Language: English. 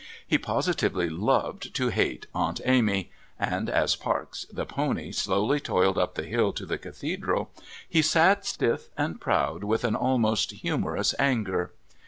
He positively loved to hate Aunt Amy, and as Parkes, the pony, slowly toiled up the hill to the Cathedral, he sat stiff and proud with an almost humorous anger.